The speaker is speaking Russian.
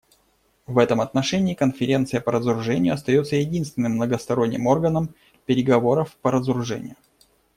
В этом отношении Конференция по разоружению остается единственным многосторонним органом переговоров по разоружению.